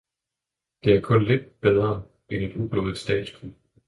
Det er kun lidt bedre end et ublodigt statskup.